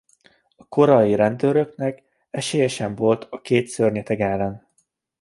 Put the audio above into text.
A Koreai rendőrnek esélye sem volt a két szörnyeteg ellen.